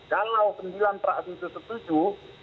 kalau sembilan fraksi itu setuju